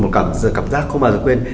một cảm giác không bao giờ quên